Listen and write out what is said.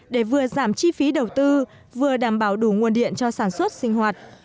để vừa giảm chi phí đầu tư vừa đảm bảo đủ nguồn điện cho sản xuất sinh hoạt